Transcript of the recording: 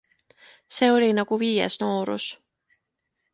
See oli nagu viies noorus.